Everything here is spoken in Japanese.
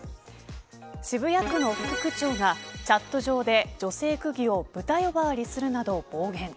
渋谷区の副区長がチャット上で女性区議をブタ呼ばわりするなど暴言。